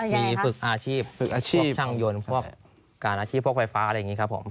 มีฝึกอาชีพฝึกอาชีพช่างยนต์พวกการอาชีพพวกไฟฟ้าอะไรอย่างนี้ครับผม